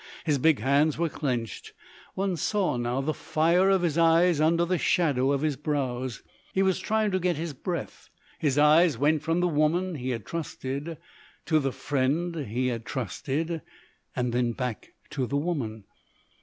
His big hands were clenched; one saw now the fire of his eyes under the shadow of his brows. He was trying to get his breath. His eyes went from the woman he had trusted to the friend he had trusted, and then back to the woman.